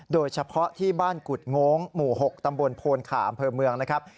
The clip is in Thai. โดยเฉพาะที่บ้านกุฎโง้งหมู่๖ตำบลโพนขาอำเภอเมืองนะครับ